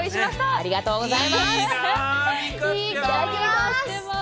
ありがとうございます！